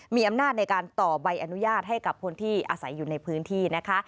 มีอำนาจในการต่อใบอนุญาตให้กับคนที่อาศัยอยู่ในพื้นที่นะคะ